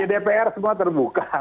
di dpr semua terbuka